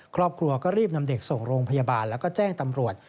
ครอบครัวก็รีบนำเด็กส่งโรงพยาบาลแล้วก็แจ้งตำรวจ